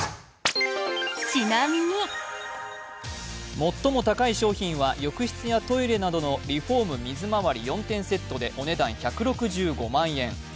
最も高い商品は浴室やトイレなどのリフォーム水回り４点セットで、お値段１６５万円。